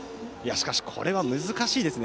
しかしこれは難しいですよね。